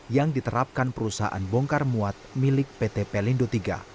yang diterapkan perusahaan bongkar muat milik pt pelindo iii